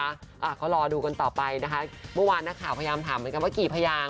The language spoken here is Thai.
อ่าก็รอดูกันต่อไปนะคะเมื่อวานนักข่าวพยายามถามเหมือนกันว่ากี่พยาง